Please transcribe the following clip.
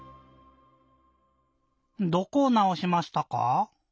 どこをなおしましたか？